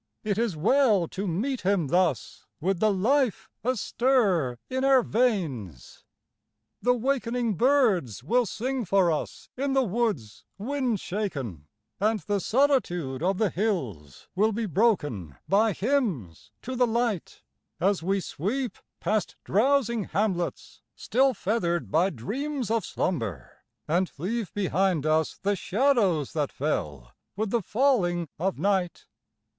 It is well to meet him thus, with the life astir in our veins ! The wakening birds will sing for us in the woods wind shaken, And the solitude of the hills will be broken by hymns to the light, As we sweep past drowsing hamlets, still feathered by dreams of slumber. And leave behind us the shadows that fell with the falling of night.